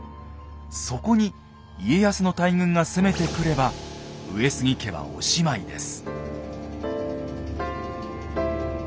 そこに家康の大軍が攻めてくれば上杉家はおしまいです。